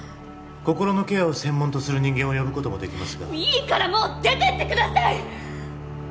心のケアを専門とする人間を呼ぶこともできますがいいからもう出てってください！